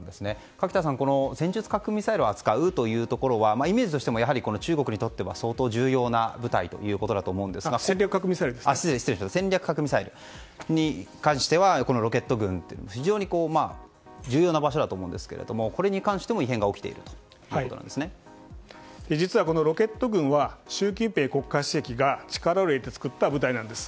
垣田さん、戦略核ミサイルを扱うというところはイメージとしても中国にとっては相当重要な部隊だと思いますが戦略核ミサイルに関してはロケット軍としては非常に重要な場所だと思うんですけどこのロケット軍は習近平国家主席が力を入れて作った部隊なんです。